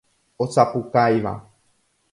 Osapukáiva.